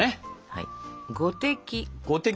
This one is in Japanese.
はい！